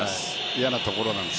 嫌なところなんです。